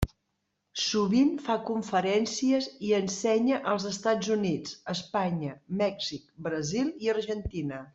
Sovint fa conferències i ensenya als Estats Units, Espanya, Mèxic, Brasil i Argentina.